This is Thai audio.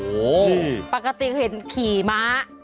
โอ้โหปกติเห็นขี่ม้า